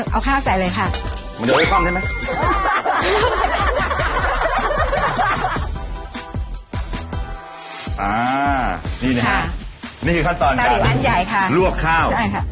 เอาข้าวใส่เลยค่ะ